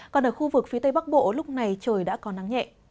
còn ở khu vực phía tây bắc bộ lúc này trời đã có nắng nhẹ